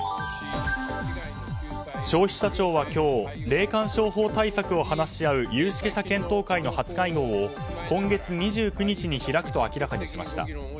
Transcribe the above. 消費者庁は今日霊感商法対策を話し合う有識者検討会の初会合を今月２９日に開くと明らかにしました。